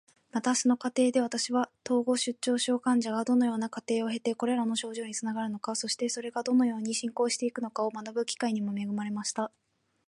また、その過程で私は、統合失調症患者がどのような過程を経てこれらの症状につながるのか、そしてそれがどのように進行していくのかを学ぶ機会にも恵まれました。